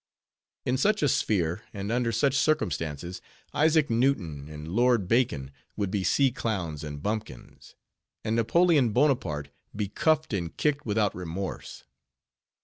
In such a sphere, and under such circumstances, Isaac Newton and Lord Bacon would be sea clowns and bumpkins; and Napoleon Bonaparte be cuffed and kicked without remorse.